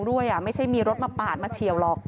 ด้วยไม่ใช่มีรถมาปาดมาเฉียวหรอก